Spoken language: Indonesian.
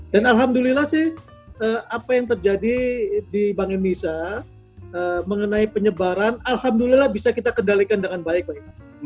dan alhamdulillah sih apa yang terjadi di bank indonesia mengenai penyebaran alhamdulillah bisa kita kendalikan dengan baik pak iwan